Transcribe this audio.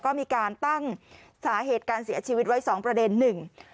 ก็มีการตั้งสาเหตุการเสียชีวิตไว้สองประเด็นหนึ่ง